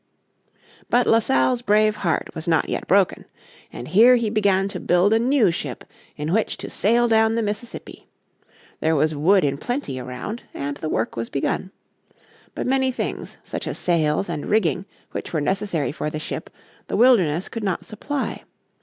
But La Salle's brave heart was not yet broken. And here he began to build a new ship in which to sail down the Mississippi. There was wood in plenty around, and the work was begun. But many things, such as sails and rigging, which were necessary for the ship, the wilderness could not supply.